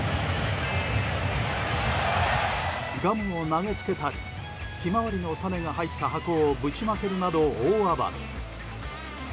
ガムを投げつけたりヒマワリの種が入った箱をぶちまけるなど、大暴れ。